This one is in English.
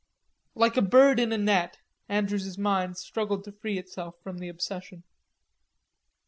Like a bird in a net, Andrews's mind struggled to free itself from the obsession.